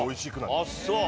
あっそう。